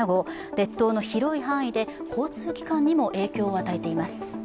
列島の広い範囲で交通機関にも影響を与えています。